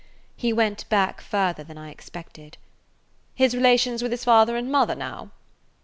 He went back further than I expected. "His relations with his father and mother, now?"